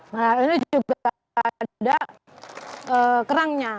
nah ini juga ada kerangnya